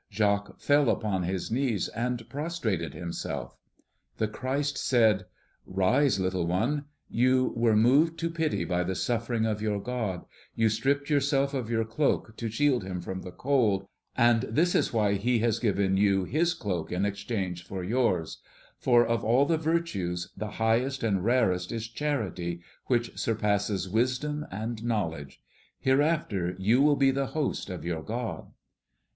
Jacques fell upon his knees and prostrated himself. The Christ said, "Rise, little one; you were moved to pity by the sufferings of your God, you stripped yourself of your cloak to shield him from the cold, and this is why he has given you his cloak in exchange for yours; for of all the virtues the highest and rarest is charity, which surpasses wisdom and knowledge. Hereafter you will be the host of your God."